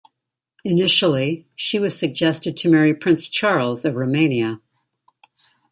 Initially, she was suggested to marry prince Charles of Romania.